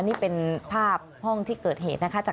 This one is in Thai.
นี่เป็นภาพห้องที่เกิดเหตุนะคะ